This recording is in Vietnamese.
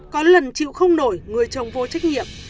có lần chịu không nổi người chồng vô trách nhiệm